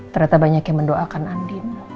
ternyata banyak yang mendoakan andin